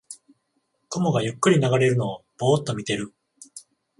雲がゆっくり流れるのをぼーっと見てる